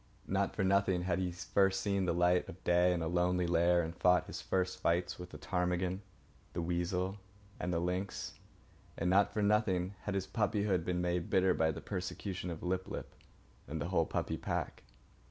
Not for nothing had he first seen the light of day in a lonely lair and fought his first fights with the ptarmigan, the weasel, and the lynx. And not for nothing had his puppyhood been made bitter by the persecution of Lip lip and the whole puppy pack.